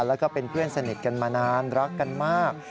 แล้วก็เป็นเพื่อนสนิทกันมานานรักกันมาก